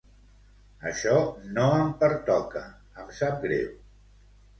Això no em pertoca, em sap greu.